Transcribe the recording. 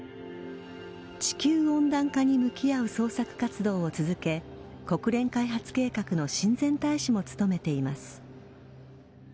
地球温暖化に向き合う創作活動を続け国連開発計画の親善大使も務めています。